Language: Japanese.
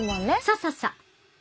そうそうそう。